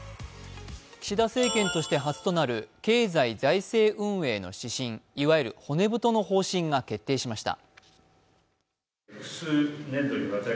岸田政権として初となる経済財政運営の指針いわゆる骨太の方針が決定しました。